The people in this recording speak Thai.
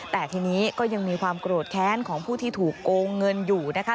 แต่ทีนี้ก็ยังมีความโกรธแค้นของผู้ที่ถูกโกงเงินอยู่นะคะ